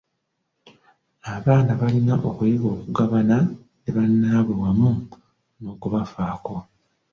Abaana balina okuyiga okugabana ne bannaabwe wamu n’okubafaako.